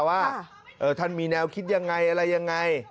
ว่าท่านมีแนวคิดอย่างไรอะไรอย่างไร